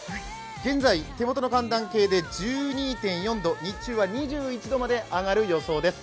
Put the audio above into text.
現在、手元の寒暖計で１２．４度、日中は２１度まで上がる予想です。